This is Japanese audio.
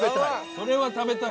それ食べたい。